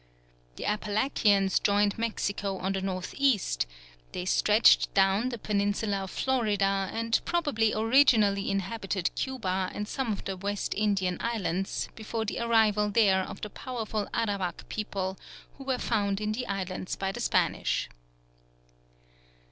The Apalachians joined Mexico on the north east; they stretched down the peninsula of Florida, and probably originally inhabited Cuba and some of the West Indian islands, before the arrival there of the powerful Arawak people, who were found in the islands by the Spanish.